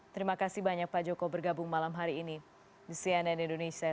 terima kasih banyak pak joko bergabung malam hari ini di cnn indonesia